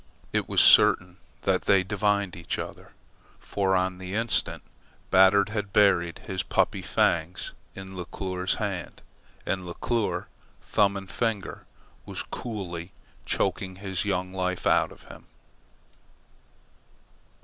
It was certain that they divined each other, for on the instant Batard had buried his puppy fangs in Leclere's hand, and Leclere, thumb and finger, was coolly choking his young life out of him.